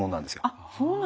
あっそうなんだ。